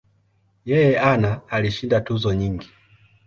Yeye ana alishinda tuzo nyingi.